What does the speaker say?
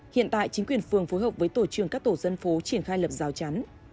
hiện tại chính quyền phường phối hợp với tổ trường các tổ dân phố triển khai lập rào chắn